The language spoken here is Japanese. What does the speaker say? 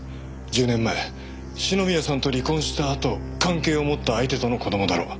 １０年前篠宮さんと離婚したあと関係を持った相手との子供だろう。